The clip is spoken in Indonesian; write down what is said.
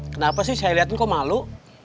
kenapa sih saya liatin kau malu